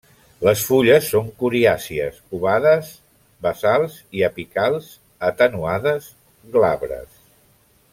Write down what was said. Les fulles són coriàcies, ovades, basals i apicals atenuades, glabres.